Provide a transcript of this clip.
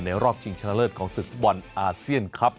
รอบชิงชนะเลิศของศึกฟุตบอลอาเซียนครับ